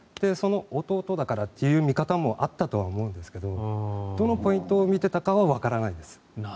その弟だからという見方もあったとは思うんですけどどのポイントを見ていたかはわからないです。